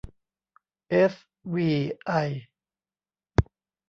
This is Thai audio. เอสวีไอ